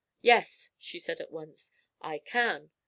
'Yes,' she said at once; 'I can.'